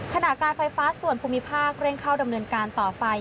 ขณะการไฟฟ้าส่วนภูมิภาคเร่งเข้าดำเนินการต่อไป